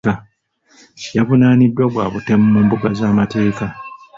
Yavunaaniddwa gwa butemu mu mbuga z'amateeka.